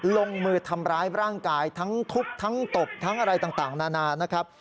ลงมือทำร้ายร่างกายทั้งทุบทั้งตบทั้งอะไรต่างนานานะครับ